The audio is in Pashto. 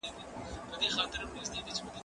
کېدای سي ليکنه سخته وي؟!